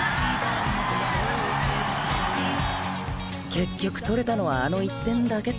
結局取れたのはあの１点だけって。